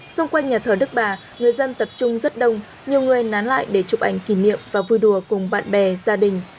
xung quanh nhà thờ đức bà người dân tập trung rất đông nhiều người nán lại để chụp ảnh kỷ niệm và vui đùa cùng bạn bè gia đình